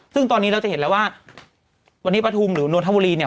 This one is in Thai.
ซึ่งตอนนี้เราจะเห็นแล้วว่าวันนี้ปฐุมหรือนวลธบุรีเนี่ย